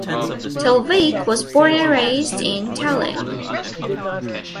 Talvik was born and raised in Tallinn.